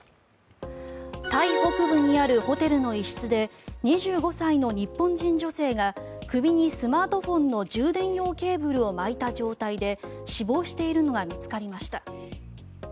タイ北部にあるホテルの一室で２５歳の日本人女性が首にスマートフォンの充電用ケーブルを巻いた状態で死亡しているのが見つかりました。